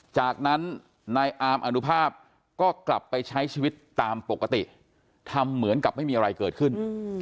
จากนั้นนายอามอนุภาพก็กลับไปใช้ชีวิตตามปกติทำเหมือนกับไม่มีอะไรเกิดขึ้น